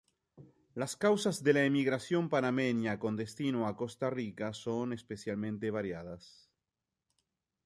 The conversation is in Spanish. Las causas de la emigración panameña con destino a Costa Rica son especialmente variadas.